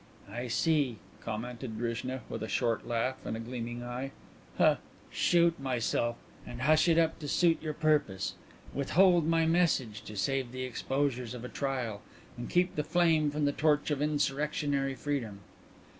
"I see," commented Drishna, with a short laugh and a gleaming eye. "Shoot myself and hush it up to suit your purpose. Withhold my message to save the exposures of a trial, and keep the flame from the torch of insurrectionary freedom."